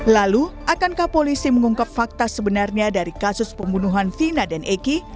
lalu akankah polisi mengungkap fakta sebenarnya dari kasus pembunuhan vina dan eki